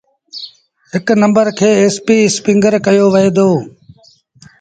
هڪ نمبر کي ايسپيٚ اسپيٚنگر ڪهيو وهي دو۔